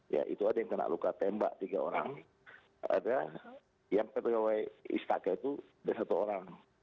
ya itu ada yang kena luka tembak tiga orang ada yang pegawai istaka itu ada satu orang